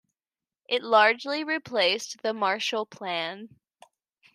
It largely replaced the Marshall Plan.